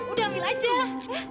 udah ambil aja